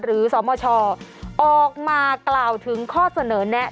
สมชออกมากล่าวถึงข้อเสนอแนะ